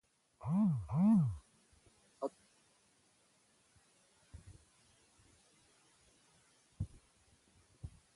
موسکا ، مُسکا، مينه ، مماڼه ، ميمونه ، ململه